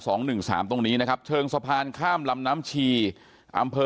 หนึ่งสามตรงนี้นะครับเชิงสะพานข้ามลำน้ำชีอำเภอ